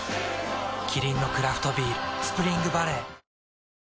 キリンのクラフトビール「スプリングバレー」